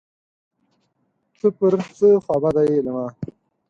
ته پر څه خوابدی یې له ما